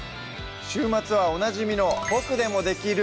週末はおなじみの「ボクでもできる！